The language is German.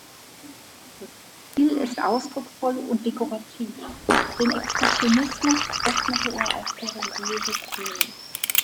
Sein Stil ist ausdrucksvoll und dekorativ; den Expressionismus öffnete er auch für religiöse Themen.